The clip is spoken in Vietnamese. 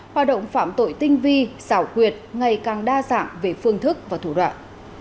hoạt động phạm tội tinh vi xảo quyệt ngày càng đa dạng về phương thức và thủ đoạn